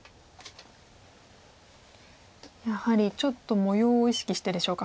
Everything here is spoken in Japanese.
やはりちょっと模様を意識してでしょうか。